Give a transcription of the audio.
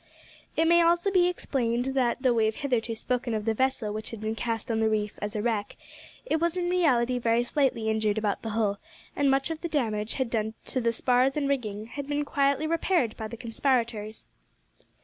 It may also be explained that though we have hitherto spoken of the vessel which had been cast on the reef as a wreck, it was in reality very slightly injured about the hull, and much of the damage done to the spars and rigging had been quietly repaired by the conspirators.